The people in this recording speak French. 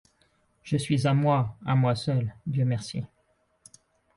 Je suis à moi, à moi seule, Dieu merci.